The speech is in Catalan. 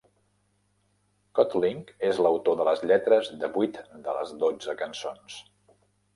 Codling és l'autor de les lletres de vuit de les dotze cançons.